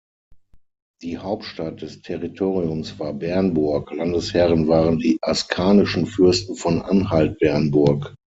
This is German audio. Die Hauptstadt des Territoriums war Bernburg, Landesherren waren die askanischen Fürsten von Anhalt-Bernburg.